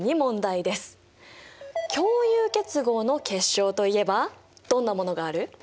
共有結合の結晶といえばどんなものがある？